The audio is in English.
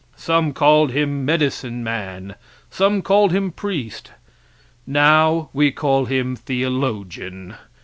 Some called him medicine man, some called him priest; now, we call him theologian.